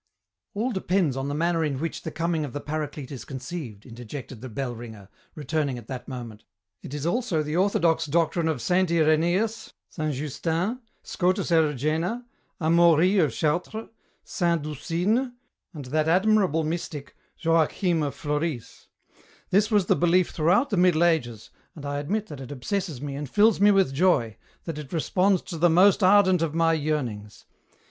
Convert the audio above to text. "All depends on the manner in which the coming of the Paraclete is conceived," interjected the bell ringer, returning at that moment. "It is also the orthodox doctrine of Saint Irenæus, Saint Justin, Scotus Erigena, Amaury of Chartres, Saint Doucine, and that admirable mystic, Joachim of Floris. This was the belief throughout the Middle Ages, and I admit that it obsesses me and fills me with joy, that it responds to the most ardent of my yearnings.